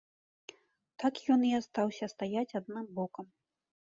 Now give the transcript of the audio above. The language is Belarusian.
Так ён і астаўся стаяць адным бокам.